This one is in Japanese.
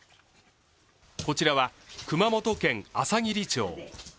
こちらは熊本県あさぎり町。